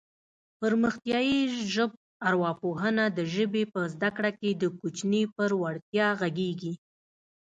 پرمختیایي ژبارواپوهنه د ژبې په زده کړه کې د کوچني پر وړتیا غږېږي